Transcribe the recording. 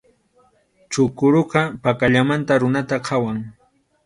Chukuruqa pakallamanta runata qhawan.